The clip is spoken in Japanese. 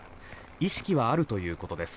意識はあるということです。